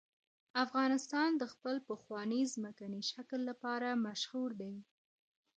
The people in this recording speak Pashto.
افغانستان د خپل پخواني ځمکني شکل لپاره مشهور دی.